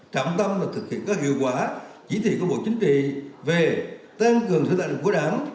trọng tâm là thực hiện các hiệu quả chỉ thị của bộ chính trị về tăng cường sự lãnh đạo của đảng